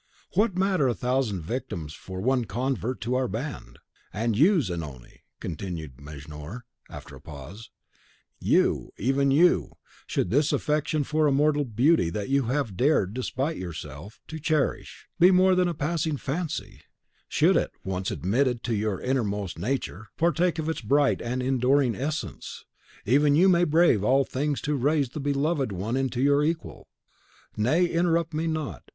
What matter a thousand victims for one convert to our band? And you, Zanoni," continued Mejnour, after a pause, "you, even you, should this affection for a mortal beauty that you have dared, despite yourself, to cherish, be more than a passing fancy; should it, once admitted into your inmost nature, partake of its bright and enduring essence, even you may brave all things to raise the beloved one into your equal. Nay, interrupt me not.